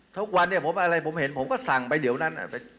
ทุกวันผมเห็นผมก็สั่งไปเดี๋ยวนั้น